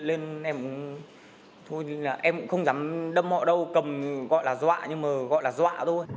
em cũng không dám đâm họ đâu cầm gọi là dọa nhưng mà gọi là dọa thôi